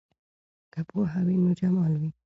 که پوهه وي نو جمال وي.